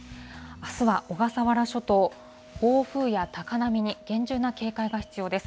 あすは小笠原諸島、暴風や高波に厳重な警戒が必要です。